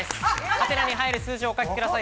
はてなに入る数字をお書きください。